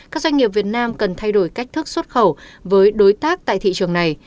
các doanh nghiệp việt nam cần thay đổi cách thức xuất khẩu với đối tác tại thị trường này